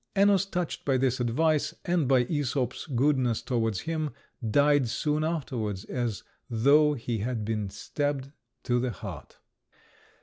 Ennus, touched by this advice, and by Æsop's goodness towards him, died soon afterwards, as though he had been stabbed to the heart.